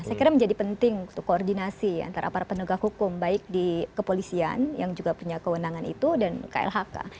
saya kira menjadi penting untuk koordinasi antara para penegak hukum baik di kepolisian yang juga punya kewenangan itu dan klhk